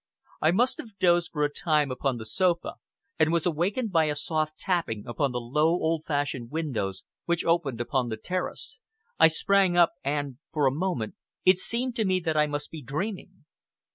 I must have dozed for a time upon the sofa, and was awakened by a soft tapping upon the low, old fashioned windows, which opened upon the terrace. I sprang up, and, for a moment, it seemed to me that I must be dreaming.